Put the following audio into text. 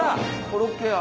コロッケや。